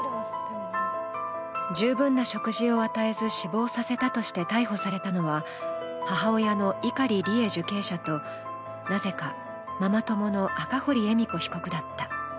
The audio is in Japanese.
十分な食事を与えず死亡させたとして逮捕されたのは母親の碇利恵受刑者と、なぜかママ友の赤堀恵美子被告だった。